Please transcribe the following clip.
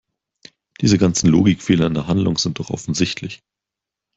Diese ganzen Logikfehler in der Handlung sind doch offensichtlich!